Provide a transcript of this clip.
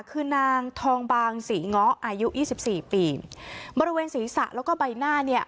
คือนางทองบางศรีเงาะอายุยี่สิบสี่ปีบริเวณศีรษะแล้วก็ใบหน้าเนี่ย